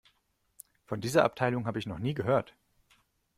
Von dieser Abteilung habe ich noch nie gehört.